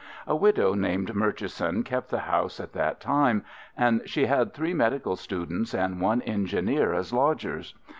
A widow named Murchison kept the house at that time, and she had three medical students and one engineer as lodgers.